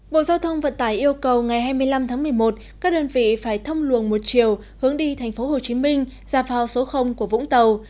bộ giao thông vận tải yêu cầu ngày hai mươi năm tháng một mươi một các đơn vị phải thông luồng một chiều hướng đi thành phố hồ chí minh ra vào số của vũng tàu